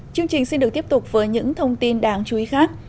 chương trình xin được tiếp tục với những thông tin đáng chú ý khác